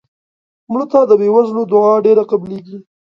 مړه ته د بې وزلو دعا ډېره قبلیږي